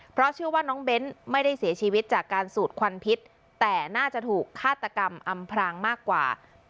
เพราะเชื่อว่าน้องเบ้นไม่ได้เสียชีวิตจากการสูดควันพิษแต่น่าจะถูกฆาตกรรมอำพรางมากกว่า